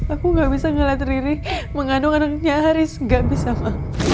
aku gak bisa ngeliat riri mengandung anaknya haris gak bisa ma